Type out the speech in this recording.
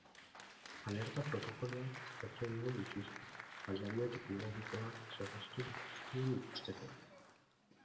Alerta protokoloak aztertu egingo dituzte, baliabide teknologikoak zorroztu litezkeen ikusteko.